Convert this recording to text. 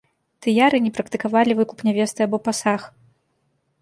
Тыяры не практыкавалі выкуп нявесты або пасаг.